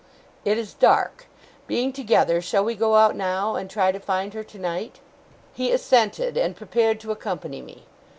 'It is dark. Being together, shall we go out now, and try to find her tonight?' He assented, and prepared to accompany me.